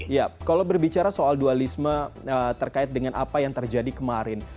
ya kalau berbicara soal dualisme terkait dengan apa yang terjadi kemarin